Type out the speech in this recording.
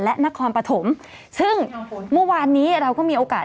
และนครปฐมซึ่งเมื่อวานนี้เราก็มีโอกาส